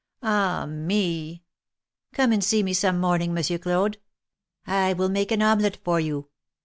Ah, me ! Come and see me some morning, Monsieur Claude. I will make an omelette for you.